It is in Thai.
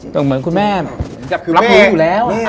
แต่เหมือนคุณแม่รับรู้อยู่แล้ว